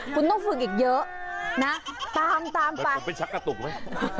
คุณต้องฝึกอีกเยอะนะตามไปผมเป็นชักกระตุกเลย